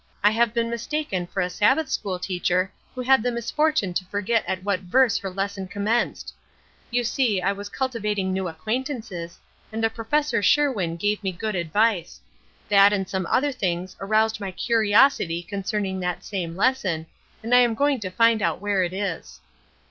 I have been mistaken for a Sabbath school teacher who had the misfortune to forget at what verse her lesson commenced! You see I was cultivating new acquaintances, and a Prof. Sherwin gave me good advice. That and some other things aroused my curiosity concerning that same lesson, and I am going to find out where it is.